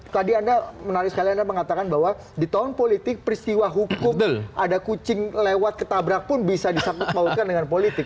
tadi anda menarik sekali anda mengatakan bahwa di tahun politik peristiwa hukum ada kucing lewat ketabrak pun bisa disambut maukan dengan politik